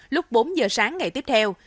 lúc bốn h sáng ngày tiếp theo